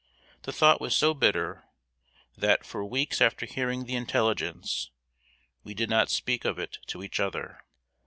The thought was so bitter, that, for weeks after hearing the intelligence, we did not speak of it to each other.